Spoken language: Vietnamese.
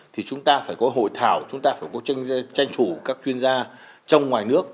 thì chúng ta phải có hội thảo chúng ta phải có tranh thủ các chuyên gia trong ngoài nước